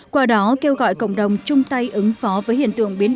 qua đó kêu gọi cộng đồng chung tay ứng phó với hiện tượng